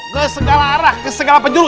ke segala arah ke segala penjuru